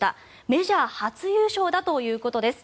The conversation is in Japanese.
メジャー初優勝だということです。